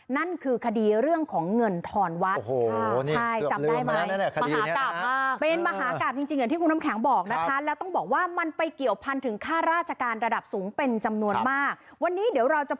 นั่นคือคดีเรื่องของเงินทอนวัด